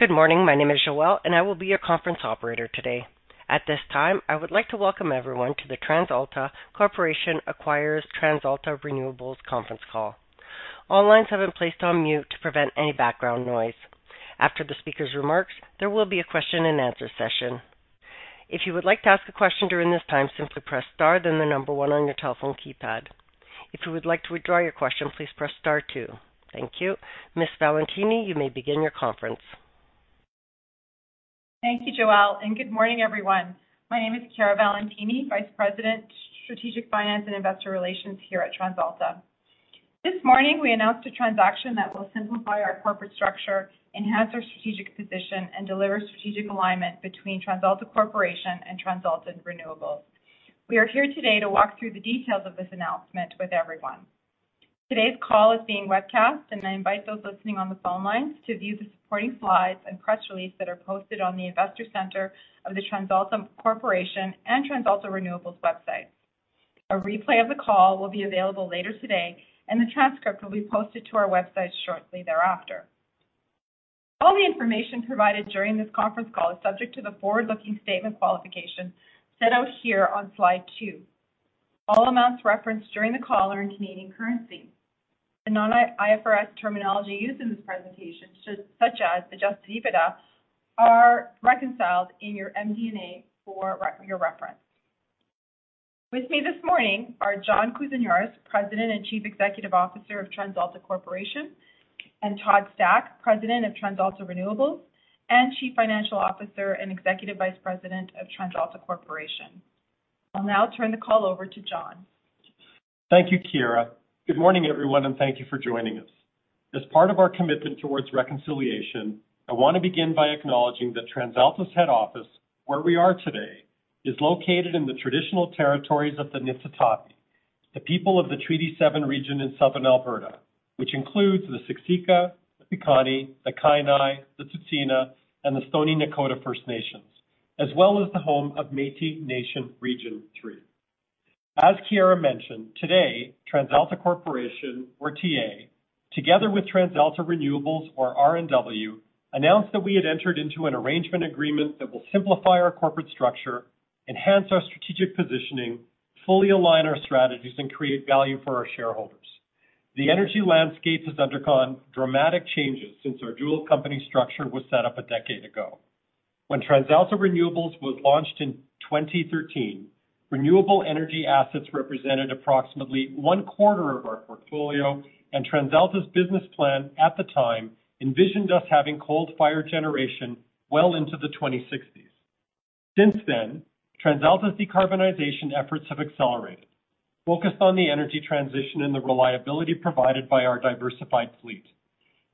Good morning. My name is Joelle, and I will be your conference operator today. At this time, I would like to welcome everyone to the TransAlta Corporation Acquires TransAlta Renewables conference call. All lines have been placed on mute to prevent any background noise. After the speaker's remarks, there will be a question-and-answer session. If you would like to ask a question during this time, simply press star, then the number one on your telephone keypad. If you would like to withdraw your question, please press star two. Thank you. Ms. Valentini, you may begin your conference. Thank you, Joelle. Good morning, everyone. My name is Chiara Valentini, Vice President, Strategic Finance and Investor Relations here at TransAlta. This morning, we announced a transaction that will simplify our corporate structure, enhance our strategic position, and deliver strategic alignment between TransAlta Corporation and TransAlta Renewables. We are here today to walk through the details of this announcement with everyone. Today's call is being webcast. I invite those listening on the phone lines to view the supporting slides and press release that are posted on the Investor Center of the TransAlta Corporation and TransAlta Renewables websites. A replay of the call will be available later today. The transcript will be posted to our website shortly thereafter. All the information provided during this conference call is subject to the forward-looking statement qualification set out here on Slide 2. All amounts referenced during the call are in Canadian currency. The non-IFRS terminology used in this presentation, such as adjusted EBITDA, are reconciled in your MD&A for your reference. With me this morning are John Kousinioris, President and Chief Executive Officer of TransAlta Corporation, and Todd Stack, President of TransAlta Renewables and Chief Financial Officer and Executive Vice President of TransAlta Corporation. I'll now turn the call over to John. Thank you, Chiara. Good morning, everyone, and thank you for joining us. As part of our commitment towards reconciliation, I want to begin by acknowledging that TransAlta's head office, where we are today, is located in the traditional territories of the Niitsitapi, the people of the Treaty 7 region in southern Alberta, which includes the Siksika, the Piikani, the Kainai, the Tsuut'ina, and the Stoney Nakoda First Nations, as well as the home of Métis Nation Region 3. As Chiara mentioned, today, TransAlta Corporation, or TA, together with TransAlta Renewables, or RNW, announced that we had entered into an arrangement agreement that will simplify our corporate structure, enhance our strategic positioning, fully align our strategies, and create value for our shareholders. The energy landscape has undergone dramatic changes since our dual company structure was set up a decade ago. When TransAlta Renewables was launched in 2013, renewable energy assets represented approximately 1/4 of our portfolio, and TransAlta's business plan at the time envisioned us having cold fire generation well into the 2060s. Since then, TransAlta's decarbonization efforts have accelerated, focused on the energy transition and the reliability provided by our diversified fleet.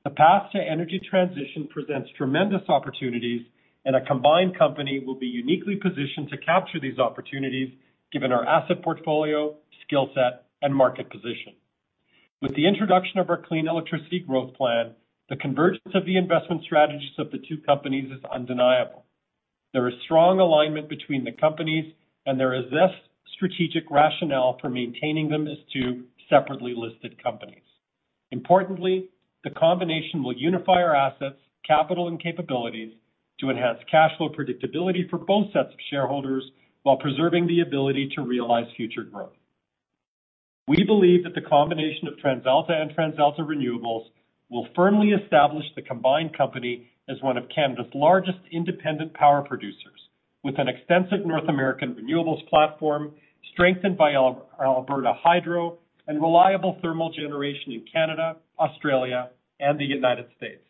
The path to energy transition presents tremendous opportunities, and a combined company will be uniquely positioned to capture these opportunities, given our asset portfolio, skill set, and market position. With the introduction of our Clean Electricity Growth Plan, the convergence of the investment strategies of the two companies is undeniable. There is strong alignment between the companies, and there is this strategic rationale for maintaining them as two separately listed companies. Importantly, the combination will unify our assets, capital, and capabilities to enhance cash flow predictability for both sets of shareholders while preserving the ability to realize future growth. We believe that the combination of TransAlta and TransAlta Renewables will firmly establish the combined company as one of Canada's largest independent power producers, with an extensive North American renewables platform strengthened by Alberta Hydro and reliable thermal generation in Canada, Australia, and the United States.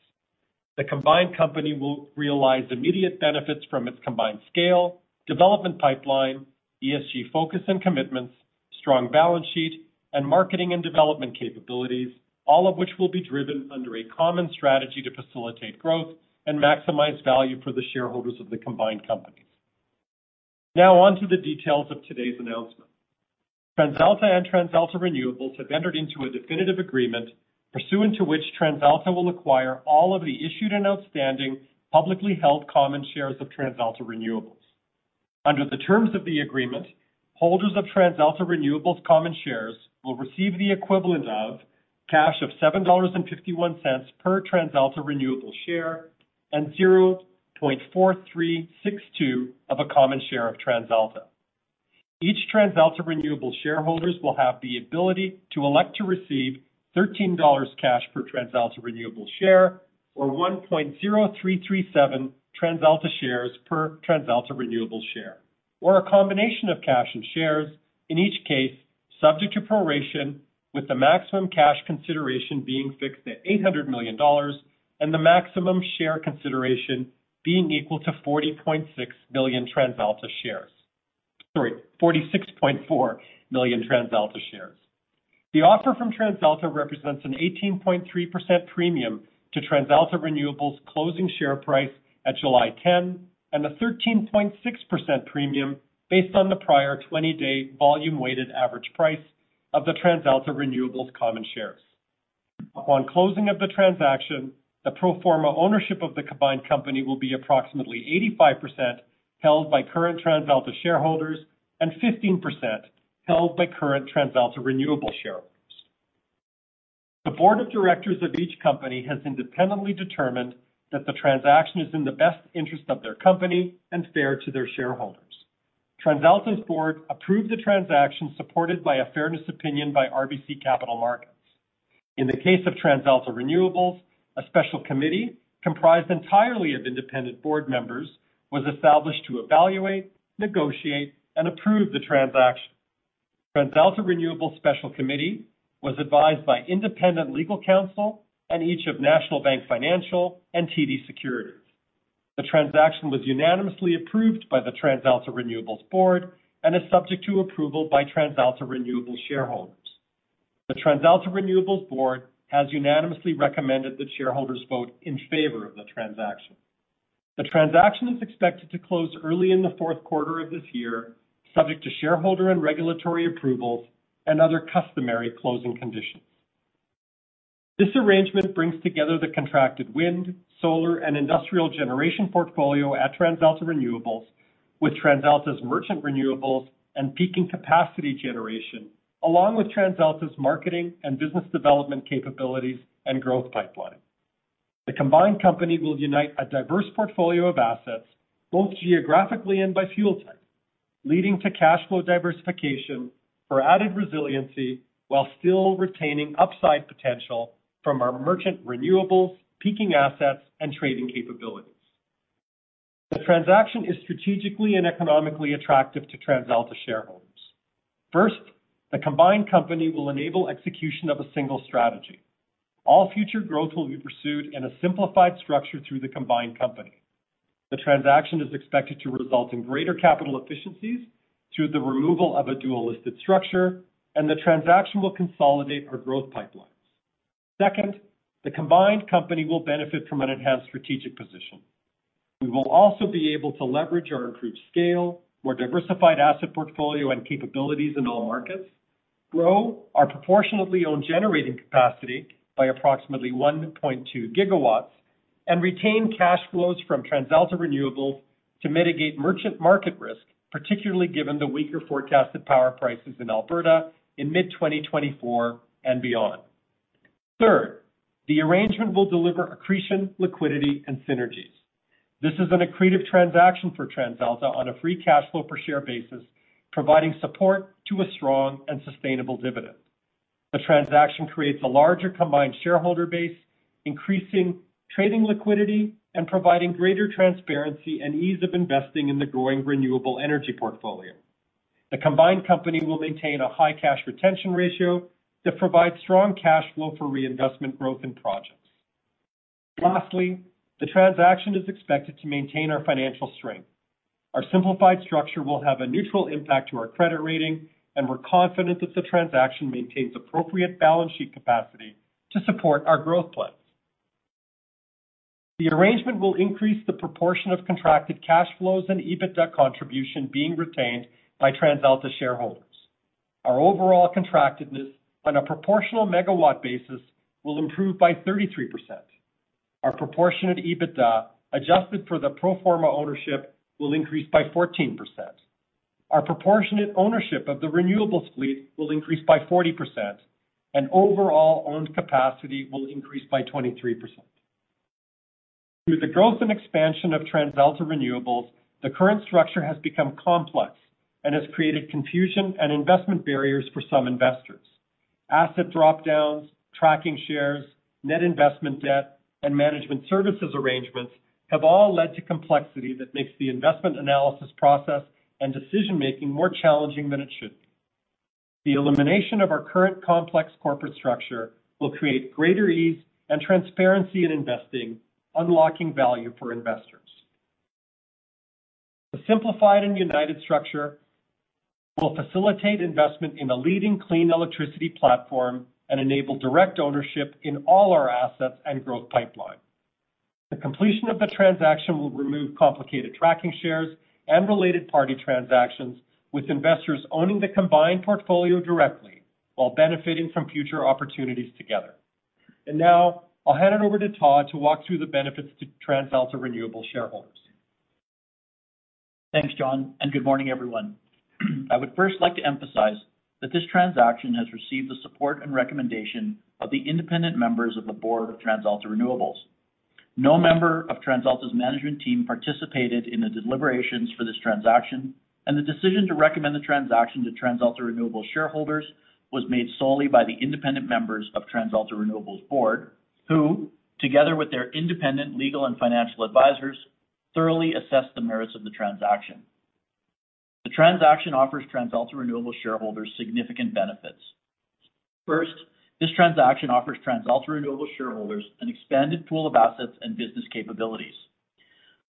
The combined company will realize immediate benefits from its combined scale, development pipeline, ESG focus and commitments, strong balance sheet, and marketing and development capabilities, all of which will be driven under a common strategy to facilitate growth and maximize value for the shareholders of the combined companies. On to the details of today's announcement. TransAlta and TransAlta Renewables have entered into a definitive agreement, pursuant to which TransAlta will acquire all of the issued and outstanding publicly held common shares of TransAlta Renewables. Under the terms of the agreement, holders of TransAlta Renewables common shares will receive the equivalent of cash of 7.51 dollars per TransAlta Renewables share and 0.4362 of a common share of TransAlta. Each TransAlta Renewables shareholders will have the ability to elect to receive 13 dollars cash per TransAlta Renewables share or 1.0337 TransAlta shares per TransAlta Renewables share, or a combination of cash and shares, in each case, subject to proration, with the maximum cash consideration being fixed at 800 million dollars and the maximum share consideration being equal to 46.4 million TransAlta shares. The offer from TransAlta represents an 18.3% premium to TransAlta Renewables' closing share price at July 10, and a 13.6% premium based on the prior 20-day volume-weighted average price of the TransAlta Renewables common shares. Upon closing of the transaction, the pro forma ownership of the combined company will be approximately 85% held by current TransAlta shareholders and 15% held by current TransAlta Renewables shareholders. The Board of Directors of each company has independently determined that the transaction is in the best interest of their company and fair to their shareholders. TransAlta's Board approved the transaction, supported by a fairness opinion by RBC Capital Markets. In the case of TransAlta Renewables, a special committee, comprised entirely of independent Board members, was established to evaluate, negotiate, and approve the transaction. TransAlta Renewables' special committee was advised by independent legal counsel and each of National Bank Financial and TD Securities. The transaction was unanimously approved by the TransAlta Renewables Board and is subject to approval by TransAlta Renewables shareholders. The TransAlta Renewables Board has unanimously recommended that shareholders vote in favor of the transaction. The transaction is expected to close early in the fourth quarter of this year, subject to shareholder and regulatory approvals and other customary closing conditions. This arrangement brings together the contracted wind, solar, and industrial generation portfolio at TransAlta Renewables with TransAlta's merchant renewables and peaking capacity generation, along with TransAlta's marketing and business development capabilities and growth pipeline. The combined company will unite a diverse portfolio of assets, both geographically and by fuel type, leading to cash flow diversification for added resiliency, while still retaining upside potential from our merchant renewables, peaking assets, and trading capabilities. The transaction is strategically and economically attractive to TransAlta shareholders. First, the combined company will enable execution of a single strategy. All future growth will be pursued in a simplified structure through the combined company. The transaction is expected to result in greater capital efficiencies through the removal of a dual-listed structure, and the transaction will consolidate our growth pipelines. Second, the combined company will benefit from an enhanced strategic position. We will also be able to leverage our improved scale, more diversified asset portfolio and capabilities in all markets, grow our proportionately owned generating capacity by approximately 1.2 GW, and retain cash flows from TransAlta Renewables to mitigate merchant market risk, particularly given the weaker forecasted power prices in Alberta in mid-2024 and beyond. Third, the arrangement will deliver accretion, liquidity, and synergies. This is an accretive transaction for TransAlta on a free cash flow per share basis, providing support to a strong and sustainable dividend. The transaction creates a larger combined shareholder base, increasing trading liquidity and providing greater transparency and ease of investing in the growing renewable energy portfolio. The combined company will maintain a high cash retention ratio that provides strong cash flow for reinvestment growth in projects. Lastly, the transaction is expected to maintain our financial strength. Our simplified structure will have a neutral impact to our credit rating, and we're confident that the transaction maintains appropriate balance sheet capacity to support our growth plans. The arrangement will increase the proportion of contracted cash flows and EBITDA contribution being retained by TransAlta shareholders. Our overall contractedness on a proportional megawatt basis will improve by 33%. Our proportionate EBITDA, adjusted for the pro forma ownership, will increase by 14%. Our proportionate ownership of the renewables fleet will increase by 40%, and overall owned capacity will increase by 23%. Through the growth and expansion of TransAlta Renewables, the current structure has become complex and has created confusion and investment barriers for some investors. Asset drop-downs, tracking shares, net investment debt, and management services arrangements have all led to complexity that makes the investment analysis process and decision-making more challenging than it should be. The elimination of our current complex corporate structure will create greater ease and transparency in investing, unlocking value for investors. The simplified and united structure will facilitate investment in a leading clean electricity platform and enable direct ownership in all our assets and growth pipeline. The completion of the transaction will remove complicated tracking shares and related party transactions, with investors owning the combined portfolio directly while benefiting from future opportunities together. Now, I'll hand it over to Todd to walk through the benefits to TransAlta Renewables shareholders. Thanks, John, and good morning, everyone. I would first like to emphasize that this transaction has received the support and recommendation of the independent members of the Board of TransAlta Renewables. No member of TransAlta's management team participated in the deliberations for this transaction, and the decision to recommend the transaction to TransAlta Renewables shareholders was made solely by the independent members of TransAlta Renewables' Board, who, together with their independent, legal, and financial advisors, thoroughly assessed the merits of the transaction. The transaction offers TransAlta Renewables shareholders significant benefits. First, this transaction offers TransAlta Renewables shareholders an expanded pool of assets and business capabilities.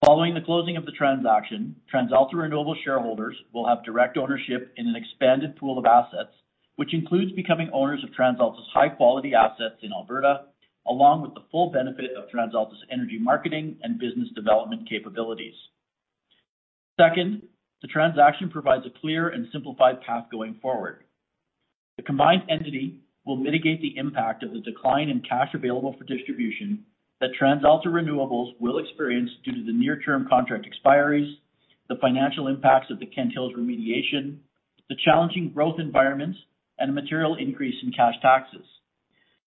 Following the closing of the transaction, TransAlta Renewables shareholders will have direct ownership in an expanded pool of assets, which includes becoming owners of TransAlta's high-quality assets in Alberta, along with the full benefit of TransAlta's energy marketing and business development capabilities. Second, the transaction provides a clear and simplified path going forward. The combined entity will mitigate the impact of the decline in cash available for distribution that TransAlta Renewables will experience due to the near-term contract expiries, the financial impacts of the Kent Hills remediation, the challenging growth environments, and a material increase in cash taxes.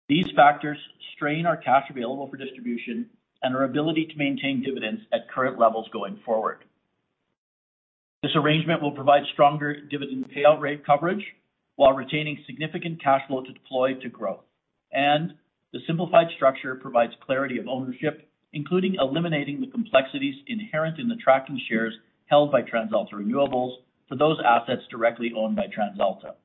These factors strain our cash available for distribution and our ability to maintain dividends at current levels going forward. This arrangement will provide stronger dividend payout rate coverage while retaining significant cash flow to deploy to growth. The simplified structure provides clarity of ownership, including eliminating the complexities inherent in the tracking shares held by TransAlta Renewables for those assets directly owned by TransAlta.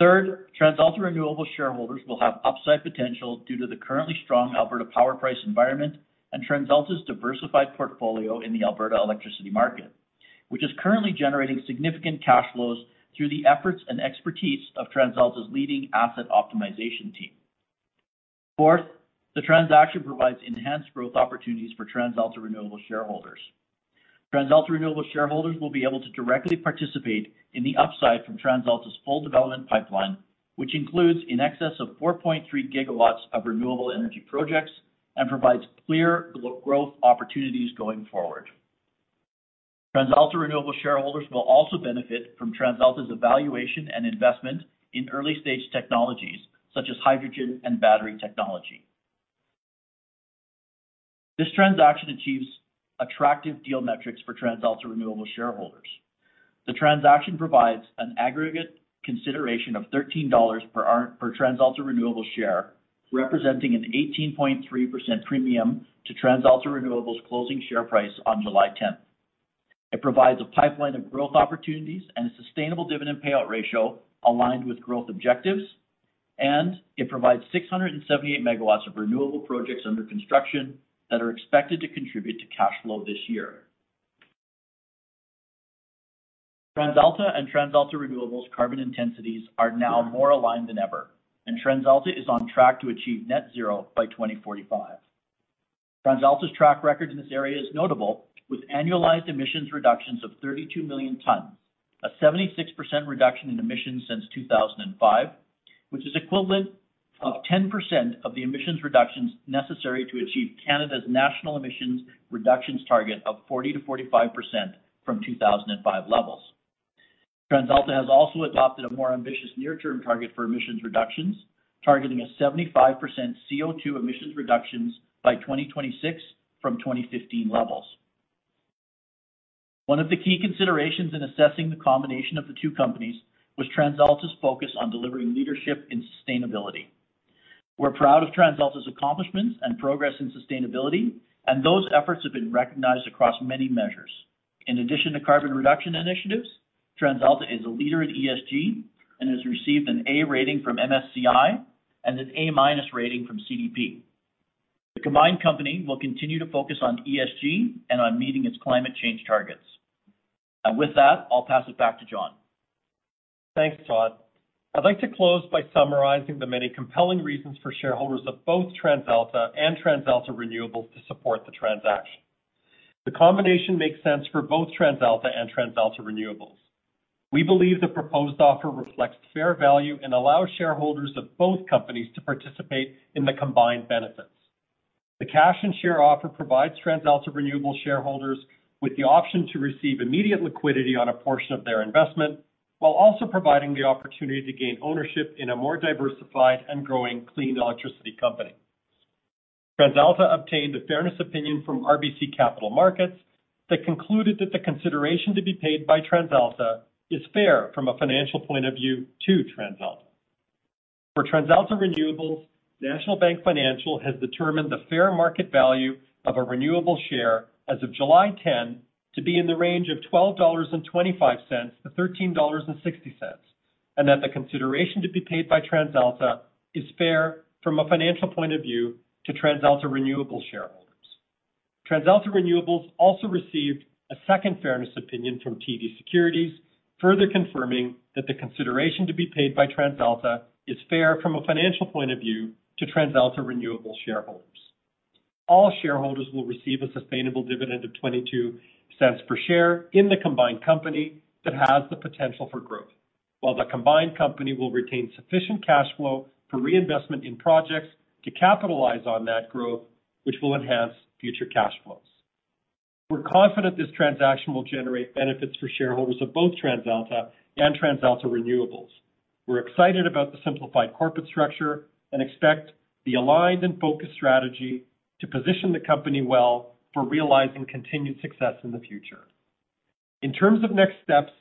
Third, TransAlta Renewables shareholders will have upside potential due to the currently strong Alberta power price environment and TransAlta's diversified portfolio in the Alberta electricity market, which is currently generating significant cash flows through the efforts and expertise of TransAlta's leading asset optimization team. Fourth, the transaction provides enhanced growth opportunities for TransAlta Renewables shareholders. TransAlta Renewables shareholders will be able to directly participate in the upside from TransAlta's full development pipeline, which includes in excess of 4.3 GW of renewable energy projects and provides clear growth opportunities going forward. TransAlta Renewables shareholders will also benefit from TransAlta's evaluation and investment in early-stage technologies, such as hydrogen and battery technology. This transaction achieves attractive deal metrics for TransAlta Renewables shareholders. The transaction provides an aggregate consideration of $13 per TransAlta Renewables share, representing an 18.3% premium to TransAlta Renewables' closing share price on July 10th. It provides a pipeline of growth opportunities and a sustainable dividend payout ratio aligned with growth objectives. It provides 678 MW of renewable projects under construction that are expected to contribute to cash flow this year. TransAlta and TransAlta Renewables' carbon intensities are now more aligned than ever. TransAlta is on track to achieve net zero by 2045. TransAlta's track record in this area is notable, with annualized emissions reductions of 32 million tons, a 76% reduction in emissions since 2005, which is equivalent of 10% of the emissions reductions necessary to achieve Canada's national emissions reductions target of 40%-45% from 2005 levels. TransAlta has also adopted a more ambitious near-term target for emissions reductions, targeting a 75% CO2 emissions reductions by 2026 from 2015 levels. One of the key considerations in assessing the combination of the two companies was TransAlta's focus on delivering leadership in sustainability. We're proud of TransAlta's accomplishments and progress in sustainability. Those efforts have been recognized across many measures. In addition to carbon reduction initiatives, TransAlta is a leader in ESG and has received an A rating from MSCI and an A- rating from CDP. The combined company will continue to focus on ESG and on meeting its climate change targets. With that, I'll pass it back to John. Thanks, Todd. I'd like to close by summarizing the many compelling reasons for shareholders of both TransAlta and TransAlta Renewables to support the transaction. The combination makes sense for both TransAlta and TransAlta Renewables. We believe the proposed offer reflects fair value and allows shareholders of both companies to participate in the combined benefits. The cash and share offer provides TransAlta Renewables shareholders with the option to receive immediate liquidity on a portion of their investment, while also providing the opportunity to gain ownership in a more diversified and growing clean electricity company. TransAlta obtained a fairness opinion from RBC Capital Markets that concluded that the consideration to be paid by TransAlta is fair from a financial point of view to TransAlta. For TransAlta Renewables, National Bank Financial has determined the fair market value of a renewable share as of July 10th, to be in the range of 12.25-13.60 dollars, and that the consideration to be paid by TransAlta is fair from a financial point of view to TransAlta Renewables shareholders. TransAlta Renewables also received a second fairness opinion from TD Securities, further confirming that the consideration to be paid by TransAlta is fair from a financial point of view to TransAlta Renewables shareholders. All shareholders will receive a sustainable dividend of 0.22 per share in the combined company that has the potential for growth, while the combined company will retain sufficient cash flow for reinvestment in projects to capitalize on that growth, which will enhance future cash flows. We're confident this transaction will generate benefits for shareholders of both TransAlta and TransAlta Renewables. We're excited about the simplified corporate structure and expect the aligned and focused strategy to position the company well for realizing continued success in the future. In terms of next steps,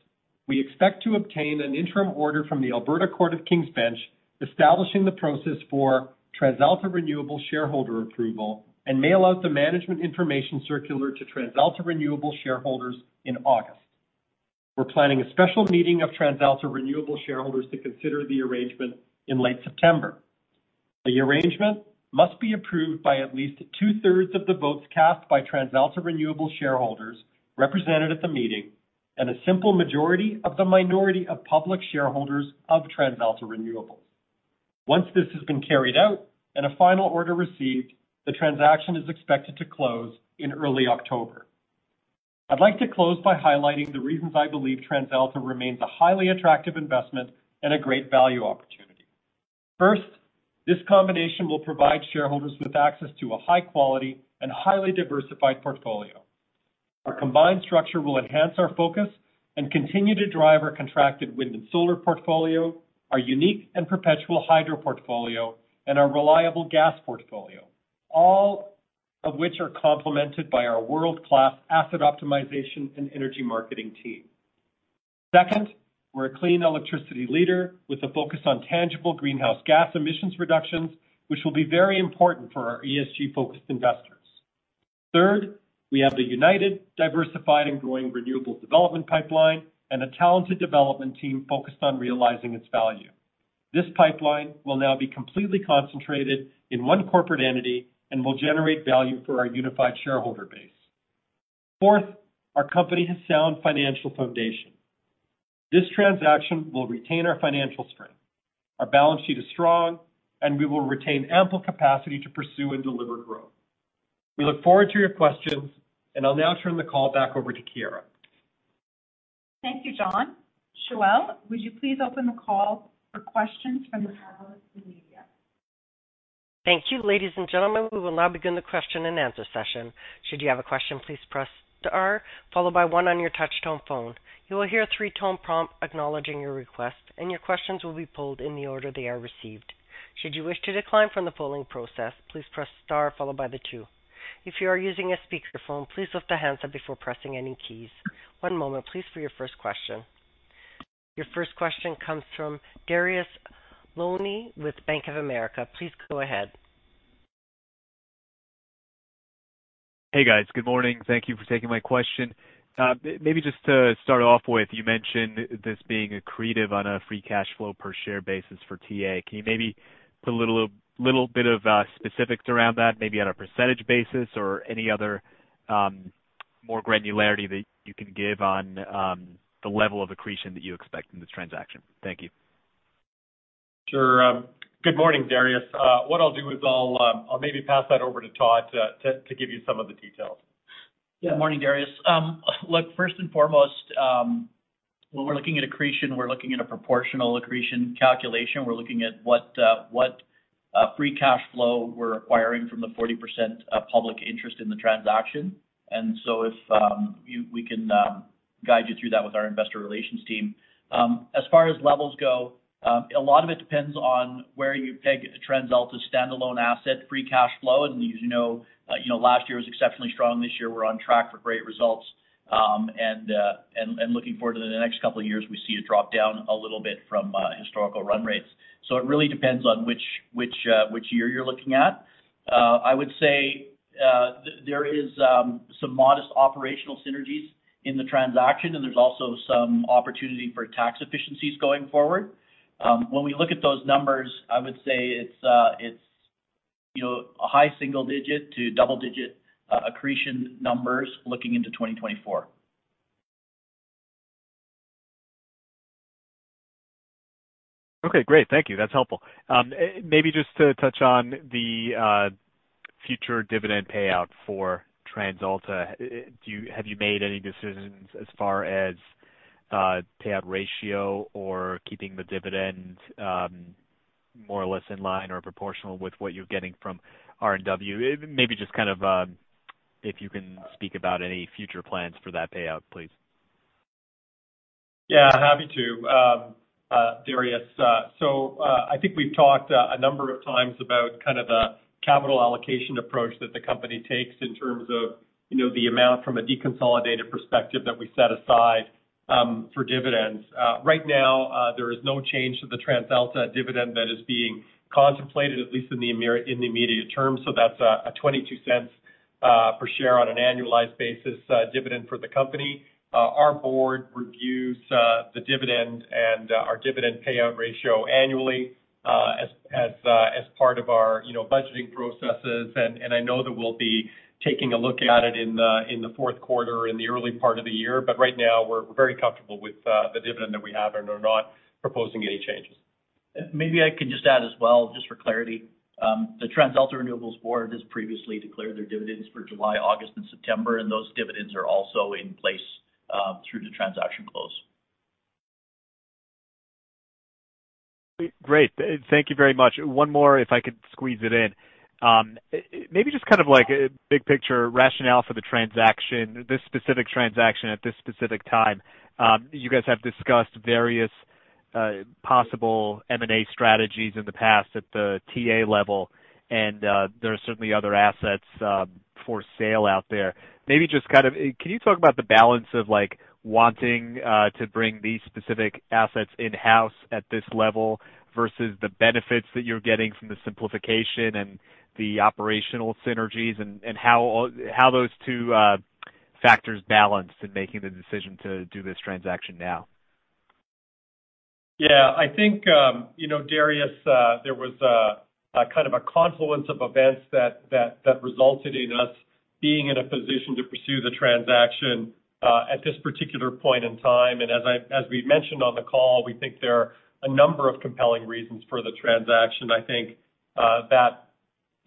we expect to obtain an interim order from the Alberta Court of King's Bench, establishing the process for TransAlta Renewables shareholder approval and mail out the management information circular to TransAlta Renewables shareholders in August. We're planning a special meeting of TransAlta Renewables shareholders to consider the arrangement in late September. The arrangement must be approved by at least two-thirds of the votes cast by TransAlta Renewables shareholders represented at the meeting, and a simple majority of the minority of public shareholders of TransAlta Renewables. Once this has been carried out and a final order received, the transaction is expected to close in early October. I'd like to close by highlighting the reasons I believe TransAlta remains a highly attractive investment and a great value opportunity. First, this combination will provide shareholders with access to a high quality and highly diversified portfolio. Our combined structure will enhance our focus and continue to drive our contracted wind and solar portfolio, our unique and perpetual hydro portfolio, and our reliable gas portfolio, all of which are complemented by our world-class asset optimization and energy marketing team. Second, we're a clean electricity leader with a focus on tangible greenhouse gas emissions reductions, which will be very important for our ESG-focused investors. Third, we have the united, diversified and growing renewables development pipeline and a talented development team focused on realizing its value. This pipeline will now be completely concentrated in one corporate entity and will generate value for our unified shareholder base. Fourth, our company has sound financial foundation. This transaction will retain our financial strength. Our balance sheet is strong, and we will retain ample capacity to pursue and deliver growth. We look forward to your questions, I'll now turn the call back over to Chiara. Thank you, John. Joelle, would you please open the call for questions from the analysts and media? Thank you. Ladies and gentlemen, we will now begin the question-and-answer session. Should you have a question, please press star, followed by one on your touch-tone phone. You will hear a three-tone prompt acknowledging your request, and your questions will be pulled in the order they are received. Should you wish to decline from the polling process, please press star followed by the two. If you are using a speakerphone, please lift the handset before pressing any keys. One moment, please, for your first question. Your first question comes from Dariusz Lozny with Bank of America. Please go ahead. Hey, guys. Good morning. Thank you for taking my question. Maybe just to start off with, you mentioned this being accretive on a free cash flow per share basis for TA. Can you maybe put a little bit of specifics around that, maybe on a percentage basis or any other more granularity that you can give on the level of accretion that you expect in this transaction? Thank you. Sure. Good morning, Darius. What I'll do is I'll maybe pass that over to Todd to give you some of the details. Yeah. Morning, Dariusz. Look, first and foremost, when we're looking at accretion, we're looking at a proportional accretion calculation. We're looking at what free cash flow we're acquiring from the 40% public interest in the transaction. If we can guide you through that with our investor relations team. As far as levels go, a lot of it depends on where you peg TransAlta's standalone asset free cash flow. As you know, you know, last year was exceptionally strong. This year, we're on track for great results. Looking forward to the next couple of years, we see it drop down a little bit from historical run rates. It really depends on which year you're looking at. I would say there is some modest operational synergies in the transaction, and there's also some opportunity for tax efficiencies going forward. When we look at those numbers, I would say it's, you know, a high single-digit to double-digit accretion numbers looking into 2024. Okay, great. Thank you. That's helpful. Maybe just to touch on the future dividend payout for TransAlta. Have you made any decisions as far as payout ratio or keeping the dividend more or less in line or proportional with what you're getting from RNW? Maybe just kind of, if you can speak about any future plans for that payout, please. Happy to, Dariusz. I think we've talked a number of times about kind of the capital allocation approach that the company takes in terms of, you know, the amount from a deconsolidated perspective that we set aside for dividends. Right now, there is no change to the TransAlta dividend that is being contemplated, at least in the immediate term, so that's a 0.22 per share on an annualized basis dividend for the company. Our Board reviews the dividend and our dividend payout ratio annually as part of our, you know, budgeting processes. I know that we'll be taking a look at it in the fourth quarter, in the early part of the year. Right now, we're very comfortable with the dividend that we have, and we're not proposing any changes. Maybe I can just add as well, just for clarity. The TransAlta Renewables Board has previously declared their dividends for July, August, and September, and those dividends are also in place through the transaction close. Great. Thank you very much. One more, if I could squeeze it in. maybe just kind of like a big picture rationale for the transaction, this specific transaction at this specific time. You guys have discussed various possible M&A strategies in the past at the TA level, and there are certainly other assets for sale out there. Can you talk about the balance of, like, wanting to bring these specific assets in-house at this level versus the benefits that you're getting from the simplification and the operational synergies, and how those two factors balanced in making the decision to do this transaction now? Yeah, I think, you know, Dariusz, there was a kind of a confluence of events that resulted in us being in a position to pursue the transaction at this particular point in time. As we mentioned on the call, we think there are a number of compelling reasons for the transaction. I think, you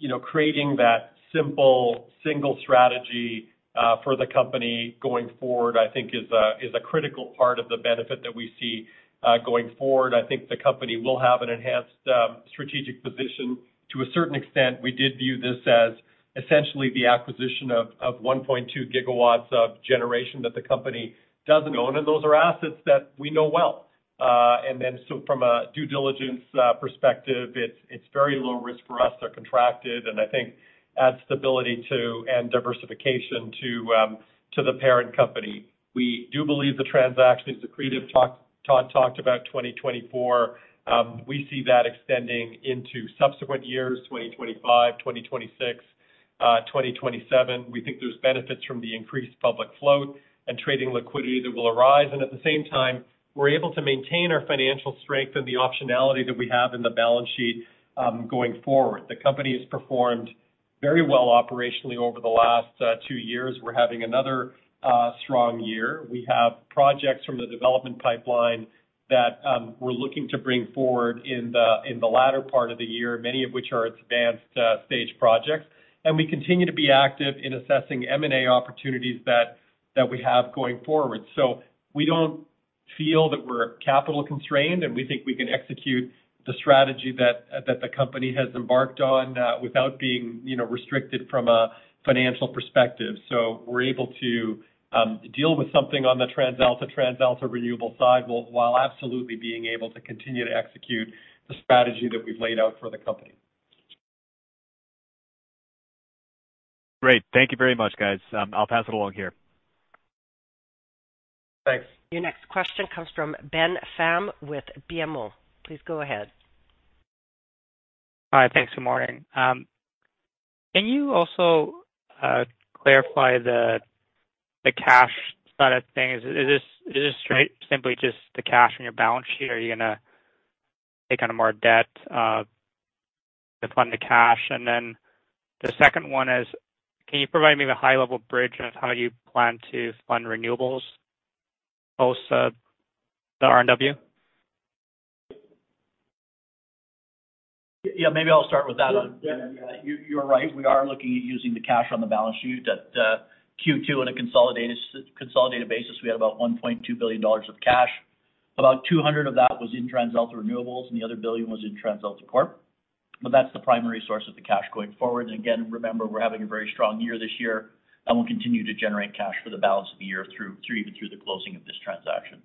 know, creating that simple single strategy for the company going forward, I think is a critical part of the benefit that we see going forward. I think the company will have an enhanced strategic position. To a certain extent, we did view this as essentially the acquisition of 1.2 GW of generation that the company doesn't own, and those are assets that we know well. From a due diligence perspective, it's very low risk for us. They're contracted, and I think adds stability to, and diversification to, the parent company. We do believe the transaction, is accretive as we talk about 2024, we see that extending into subsequent years, 2025, 2026, 2027. We think there's benefits from the increased public float and trading liquidity that will arise. At the same time, we're able to maintain our financial strength and the optionality that we have in the balance sheet, going forward. The company has performed very well operationally over the last two years. We're having another strong year. We have projects from the development pipeline that we're looking to bring forward in the, in the latter part of the year, many of which are advanced stage projects. We continue to be active in assessing M&A opportunities that we have going forward. We don't feel that we're capital constrained, and we think we can execute the strategy that the company has embarked on, without being, you know, restricted from a financial perspective. We're able to deal with something on the TransAlta Renewables side, while absolutely being able to continue to execute the strategy that we've laid out for the company. Great. Thank you very much, guys. I'll pass it along here. Thanks. Your next question comes from Ben Pham with BMO. Please go ahead. Hi. Thanks. Good morning. Can you also clarify the cash side of things? Is this simply just the cash on your balance sheet, or are you going to take on more debt to fund the cash? The second one is, can you provide me the high-level bridge of how you plan to fund renewables, post the RNW? Yeah, maybe I'll start with that one. You're right. We are looking at using the cash on the balance sheet. At Q2 in a consolidated basis, we had about 1.2 billion dollars of cash. About 200 million of that was in TransAlta Renewables, and the other 1 billion was in TransAlta Corp. That's the primary source of the cash going forward. Again, remember, we're having a very strong year this year, and we'll continue to generate cash for the balance of the year through even through the closing of this transaction.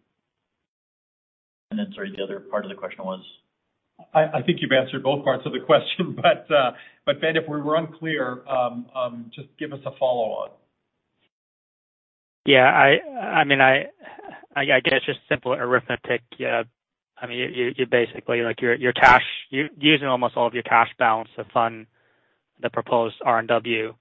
Sorry, the other part of the question was? I think you've answered both parts of the question, but Ben, if we were unclear, just give us a follow on. Yeah, I mean, I guess just simple arithmetic. I mean, you basically, like, you're using almost all of your cash balance to fund the proposed RNW.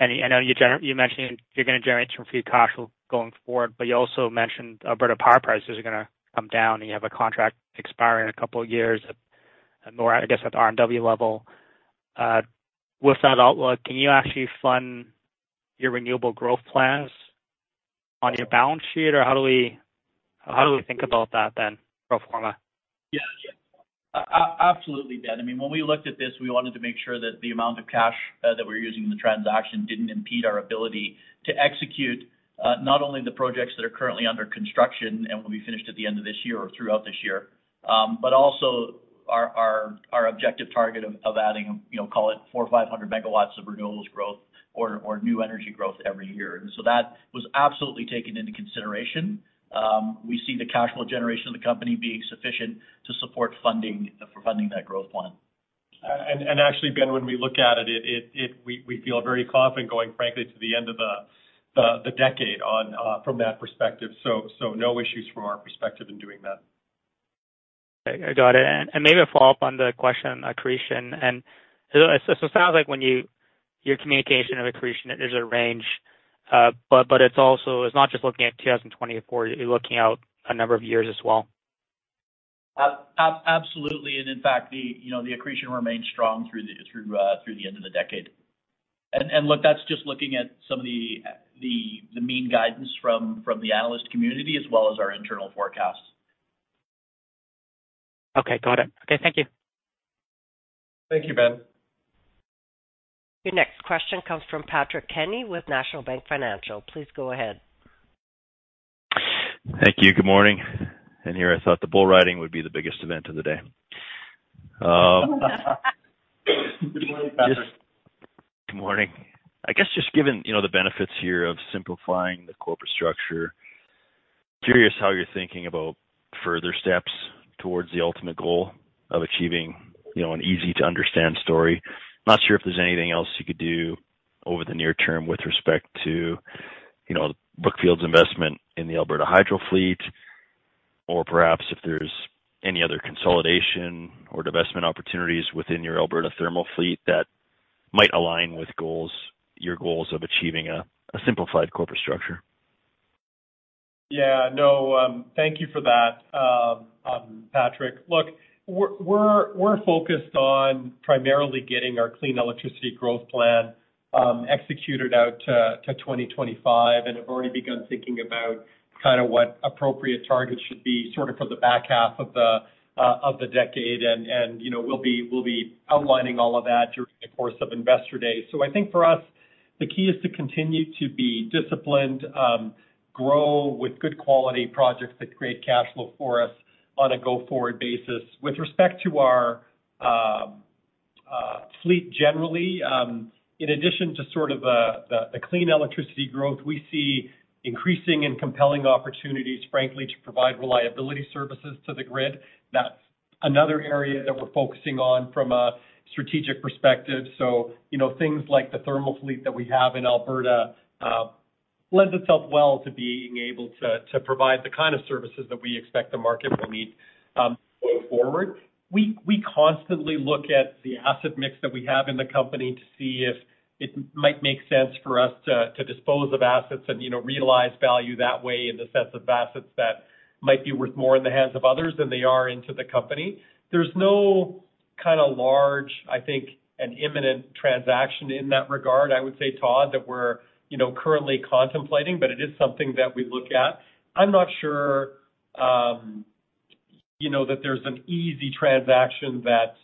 I know you mentioned you're going to generate some free cash flow going forward, but you also mentioned Alberta power prices are going to come down, and you have a contract expiring in a couple of years, more, I guess, at the RNW level. With that outlook, can you actually fund your renewable growth plans on your balance sheet, or how do we think about that then, pro forma? Absolutely, Ben. I mean, when we looked at this, we wanted to make sure that the amount of cash that we're using in the transaction didn't impede our ability to execute not only the projects that are currently under construction and will be finished at the end of this year or throughout this year, but also our objective target of adding, you know, call it 400 MW or 500 MW of renewables growth or new energy growth every year. That was absolutely taken into consideration. We see the cash flow generation of the company being sufficient to support funding for funding that growth plan. Actually, Ben, when we look at it, we feel very confident going, frankly, to the end of the decade from that perspective. No issues from our perspective in doing that. I got it. Maybe a follow-up on the question, accretion. It sounds like when your communication of accretion, there's a range, but it's also, it's not just looking at 2024, you're looking out a number of years as well. Absolutely. In fact, the, you know, the accretion remains strong through the end of the decade. Look, that's just looking at some of the mean guidance from the analyst community, as well as our internal forecasts. Okay, got it. Okay, thank you. Thank you, Ben. Your next question comes from Patrick Kenny with National Bank Financial. Please go ahead. Thank you. Good morning. Here I thought the bull riding would be the biggest event of the day. Good morning, Patrick. Good morning. I guess, just given, you know, the benefits here of simplifying the corporate structure, curious how you're thinking about further steps towards the ultimate goal of achieving, you know, an easy-to-understand story. Not sure if there's anything else you could do over the near term with respect to, you know, Brookfield's investment in the Alberta Hydro fleet, or perhaps if there's any other consolidation or divestment opportunities within your Alberta thermal fleet that might align with your goals of achieving a simplified corporate structure. Yeah. No, thank you for that, Patrick. Look, we're focused on primarily getting our Clean Electricity Growth Plan executed out to 2025, and have already begun thinking about kind of what appropriate targets should be for the back half of the decade. you know, we'll be outlining all of that during the course of Investor Day. I think for us, the key is to continue to be disciplined, grow with good quality projects that create cash flow for us on a go-forward basis. With respect to our fleet generally, in addition to the clean electricity growth, we see increasing and compelling opportunities, frankly, to provide reliability services to the grid. That's another area that we're focusing on from a strategic perspective. You know, things like the thermal fleet that we have in Alberta lends itself well to being able to provide the kind of services that we expect the market will need going forward. We constantly look at the asset mix that we have in the company to see if it might make sense for us to dispose of assets and, you know, realize value that way, in the sense of assets that might be worth more in the hands of others than they are into the company. There's no kind of large, I think, an imminent transaction in that regard, I would say, Todd, that we're, you know, currently contemplating, but it is something that we look at. I'm not sure, you know, that there's an easy transaction that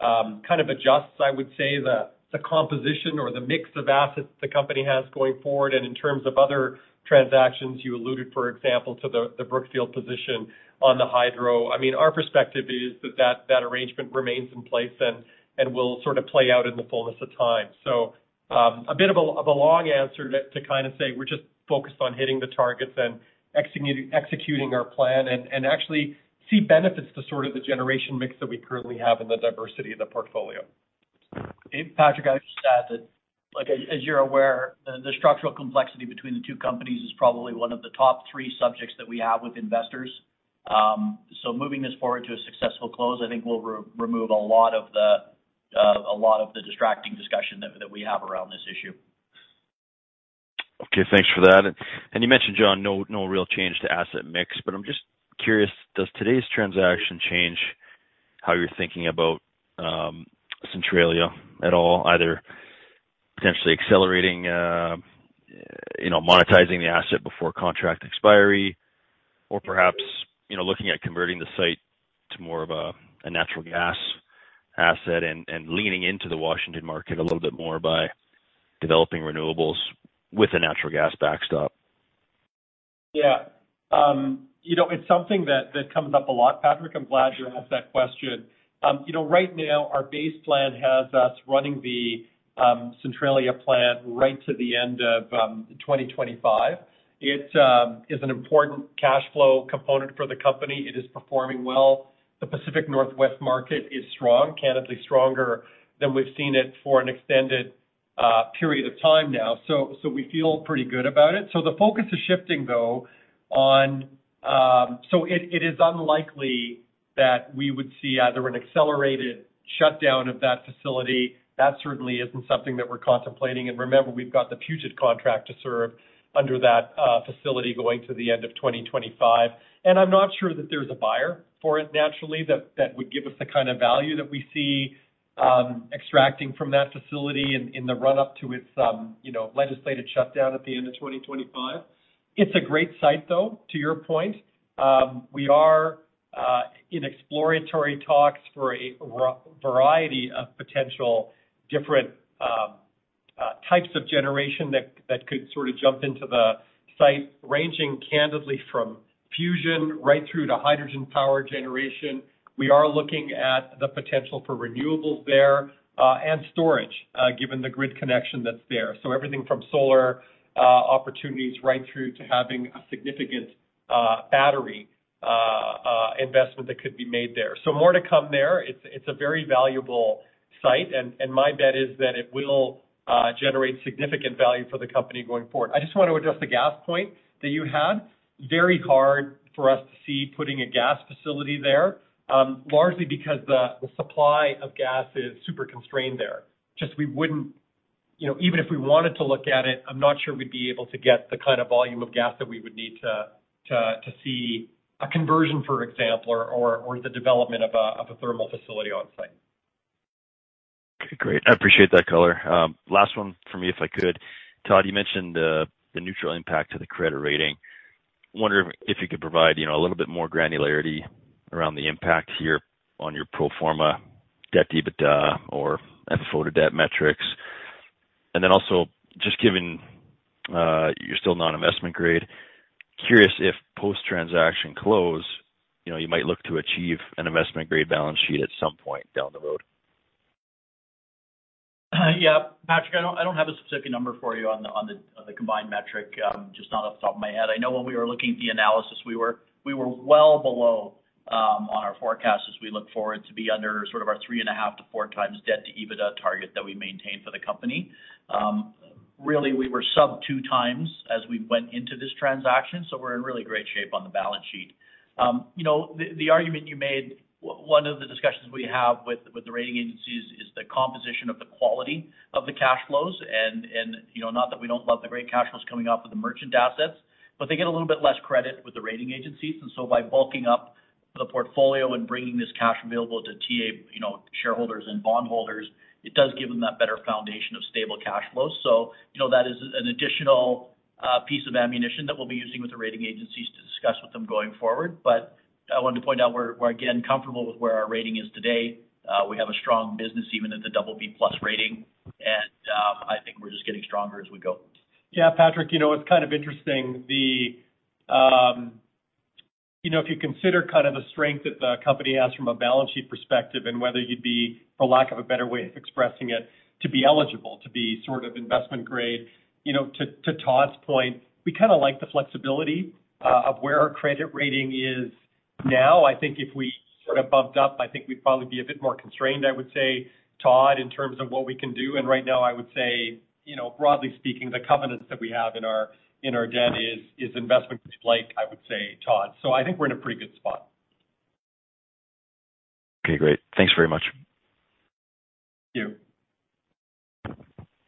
kind of adjusts, I would say, the composition or the mix of assets the company has going forward. In terms of other transactions, you alluded, for example, to the Brookfield position on the hydro. I mean, our perspective is that arrangement remains in place and will sort of play out in the fullness of time. A bit of a, of a long answer to kind of say we're just focused on hitting the targets and executing our plan, and actually see benefits to sort of the generation mix that we currently have and the diversity of the portfolio. Patrick, I understand that, like, as you're aware, the structural complexity between the two companies is probably one of the top three subjects that we have with investors. Moving this forward to a successful close, I think, will re-remove a lot of the, a lot of the distracting discussion that we have around this issue. Okay, thanks for that. You mentioned, John, no real change to asset mix, but I'm just curious, does today's transaction change how you're thinking about Centralia at all? Either potentially accelerating, you know, monetizing the asset before contract expiry, or perhaps, you know, looking at converting the site to more of a natural gas asset and leaning into the Washington market a little bit more by developing renewables with a natural gas backstop. Yeah. You know, it's something that comes up a lot, Patrick. I'm glad you asked that question. You know, right now, our base plan has us running the Centralia plant right to the end of 2025. It is an important cash flow component for the company. It is performing well. The Pacific Northwest market is strong, candidly, stronger than we've seen it for an extended period of time now. We feel pretty good about it. The focus is shifting, though, on. It is unlikely that we would see either an accelerated shutdown of that facility. That certainly isn't something that we're contemplating. Remember, we've got the Puget contract to serve under that facility going to the end of 2025. I'm not sure that there's a buyer for it, naturally, that would give us the kind of value that we see, extracting from that facility in the run-up to its, you know, legislative shutdown at the end of 2025. It's a great site, though, to your point. We are in exploratory talks for a variety of potential different types of generation that could sort of jump into the site, ranging candidly from fusion right through to hydrogen power generation. We are looking at the potential for renewables there, and storage, given the grid connection that's there. Everything from solar opportunities, right through to having a significant battery investment that could be made there. More to come there. It's a very valuable site, and my bet is that it will generate significant value for the company going forward. I just want to address the gas point that you had. Very hard for us to see putting a gas facility there, largely because the supply of gas is super constrained there. Just You know, even if we wanted to look at it, I'm not sure we'd be able to get the kind of volume of gas that we would need to see a conversion, for example, or the development of a thermal facility on site. Okay, great. I appreciate that color. Last one for me, if I could. Todd, you mentioned the neutral impact to the credit rating. I'm wondering if you could provide, you know, a little bit more granularity around the impact here on your pro forma debt to EBITDA or FFO-to-debt metrics. Also, just given, you're still non-investment grade, curious if post-transaction close, you know, you might look to achieve an investment-grade balance sheet at some point down the road? Patrick, I don't have a specific number for you on the, on the combined metric, just not off the top of my head. I know when we were looking at the analysis, we were well below on our forecast as we look forward to be under sort of our 3.5x-4.0x debt-to-EBITDA target that we maintain for the company. Really, we were sub-2x as we went into this transaction, so we're in really great shape on the balance sheet. You know, the argument you made, one of the discussions we have with the rating agencies is the composition of the quality of the cash flows. You know, not that we don't love the great cash flows coming off of the merchant assets, but they get a little bit less credit with the rating agencies. By bulking up the portfolio and bringing this cash available to TA, you know, shareholders and bondholders, it does give them that better foundation of stable cash flows. You know, that is an additional piece of ammunition that we'll be using with the rating agencies to discuss with them going forward. I wanted to point out we're, again, comfortable with where our rating is today. We have a strong business, even at the BB+ rating, and I think we're just getting stronger as we go. Yeah, Patrick, you know, it's kind of interesting, the, you know, if you consider kind of the strength that the company has from a balance sheet perspective, and whether you'd be, for lack of a better way of expressing it, to be eligible, to be sort of investment grade. You know, to Todd's point, we kind of like the flexibility of where our credit rating is now. I think if we sort of bumped up, I think we'd probably be a bit more constrained, I would say, Todd, in terms of what we can do. Right now, I would say, you know, broadly speaking, the covenants that we have in our debt is investment like, I would say, Todd. I think we're in a pretty good spot. Okay, great. Thanks very much. Thank you.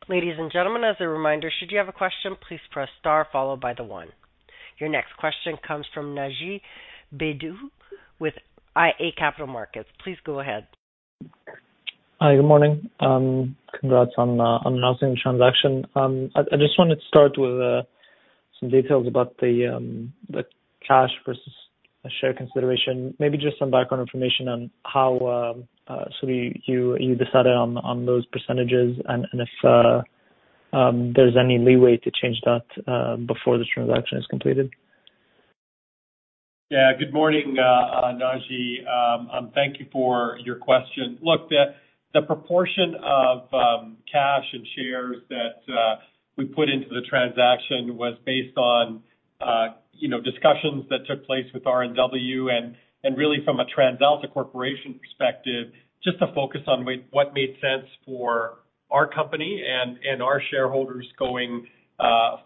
Ladies and gentlemen, as a reminder, should you have a question, please press star followed by one. Your next question comes from Naji Baydoun with iA Capital Markets. Please go ahead. Hi, good morning. Congrats on announcing the transaction. I just wanted to start with some details about the cash versus share consideration. Maybe just some background information on how so you decided on those percentages and if there's any leeway to change that before the transaction is completed. Yeah. Good morning, Naji. Thank you for your question. The proportion of cash and shares that we put into the transaction was based on, you know, discussions that took place with RNW and really from a TransAlta Corporation perspective, just to focus on what made sense for our company and our shareholders going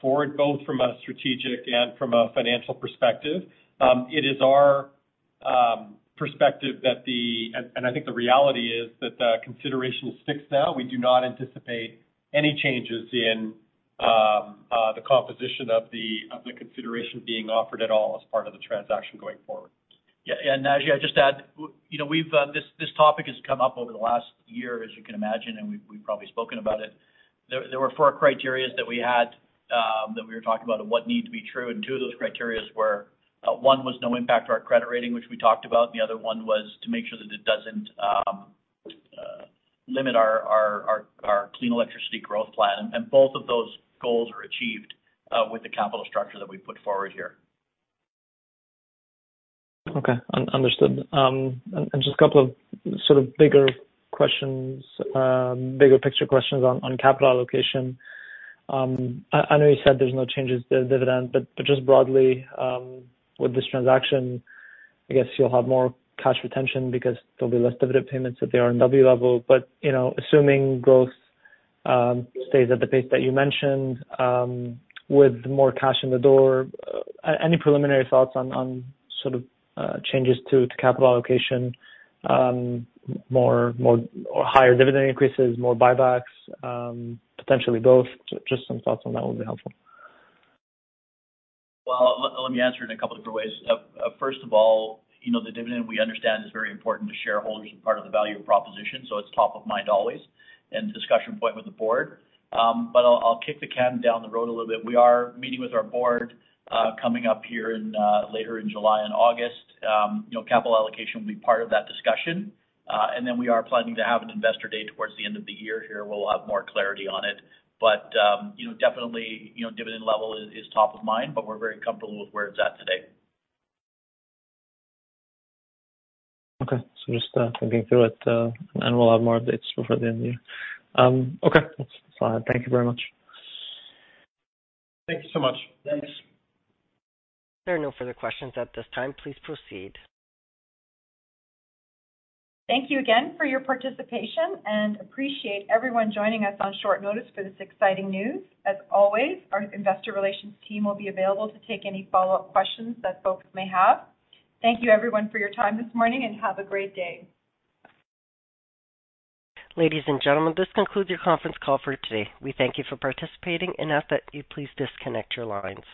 forward, both from a strategic and from a financial perspective. It is our perspective that the reality is that the consideration sticks now. We do not anticipate any changes in the composition of the consideration being offered at all as part of the transaction going forward. Yeah, Naji, I'd just add, you know, we've, this topic has come up over the last year, as you can imagine, we've probably spoken about it. There were four criteria that we had, that we were talking about of what needed to be true, and two of those criteria were: one was no impact to our credit rating, which we talked about, and the other one was to make sure that it doesn't limit our Clean Electricity Growth Plan. Both of those goals are achieved with the capital structure that we've put forward here. Okay, understood. Just a couple of sort of bigger questions, bigger picture questions on capital allocation. I know you said there's no changes to the dividend, but just broadly, with this transaction, I guess you'll have more cash retention because there'll be less dividend payments at the RNW level. You know, assuming growth stays at the pace that you mentioned, with more cash in the door, any preliminary thoughts on sort of changes to capital allocation? More or higher dividend increases, more buybacks, potentially both. Just some thoughts on that would be helpful. Well, let me answer it in a couple different ways. First of all, you know, the dividend, we understand, is very important to shareholders and part of the value proposition, so it's top of mind always and a discussion point with the Board. I'll kick the can down the road a little bit. We are meeting with our Board, coming up here in later in July and August. You know, capital allocation will be part of that discussion. Then we are planning to have an Investor Day towards the end of the year here. We'll have more clarity on it, but, you know, definitely, you know, dividend level is top of mind, but we're very comfortable with where it's at today. Okay, just thinking through it, we'll have more updates before the end of the year. Okay. Thank you very much. Thank you so much. Thanks. There are no further questions at this time. Please proceed. Thank you again for your participation, and appreciate everyone joining us on short notice for this exciting news. As always, our investor relations team will be available to take any follow-up questions that folks may have. Thank you, everyone, for your time this morning, and have a great day. Ladies and gentlemen, this concludes your conference call for today. We thank you for participating and ask that you please disconnect your lines.